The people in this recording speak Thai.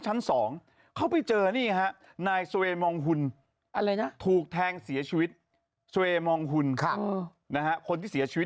ชั้นสองเขาไปเจอนี่ฮะนายอะไรนะถูกแทงเสียชีวิตค่ะนะฮะคนที่เสียชีวิต